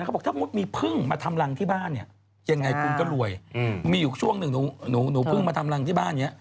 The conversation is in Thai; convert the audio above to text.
เขาบอกถ้ามุติมีพึ่งมาทำรังที่บ้านเนี่ยยังไงคุณก็รวยมีอยู่ช่วงหนึ่งหนูเพิ่งมาทำรังที่บ้านอย่างนี้